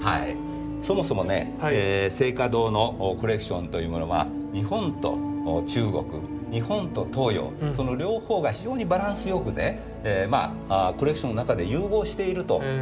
そもそもね静嘉堂のコレクションというものは日本と中国日本と東洋その両方が非常にバランス良くねコレクションの中で融合しているといっていいと思うんですね。